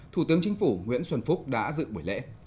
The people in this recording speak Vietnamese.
thủ tướng chính phủ nguyễn xuân phúc đã dự buổi lễ